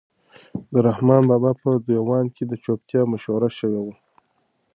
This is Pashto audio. د رحمان بابا په دیوان کې د چوپتیا مشوره شوې وه.